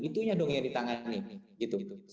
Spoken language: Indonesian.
itu nyadongnya ditangani